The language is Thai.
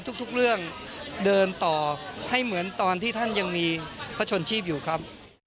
ทุกเรื่องเดินต่อให้เหมือนตอนที่ท่านยังมีพระชนชีพอยู่ครับ